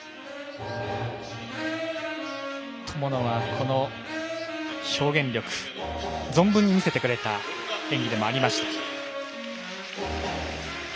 友野は表現力を存分に見せてくれた演技でもありました。